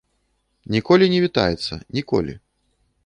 Ніколі не вітаецца, ніколі.